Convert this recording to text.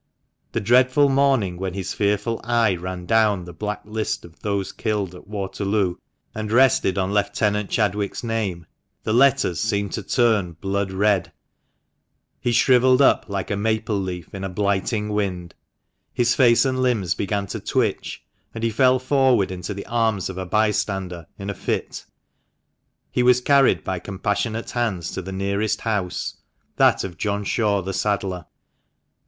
That dreadful morning when his fearful eye ran down the black list of the killed at Waterloo, and rested on rs=<"^slsC»^ " r~iSF • ;'i ~^~'>~>' MARKET STREET LANE. THE MANCHESTER MAN. 145 Lieutenant Chadwick's name, the letters seemed to turn blood red ; he shrivelled up like a maple leaf in a blighting wind his face and limbs began to twitch, and he fell forward into the arms of a bystander, in a fit. He was carried by compassionate hands to the nearest house, that of John Shaw, the saddler.